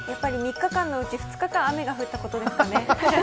３日間のうち２日間雨が降ったことですかね。